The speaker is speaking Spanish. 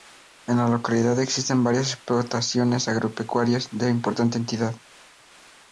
En la localidad existen varias explotaciones agropecuarias de importante entidad.